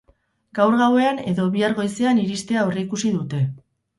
Gaur gauean edo bihar goizean iristea aurreikusi dute.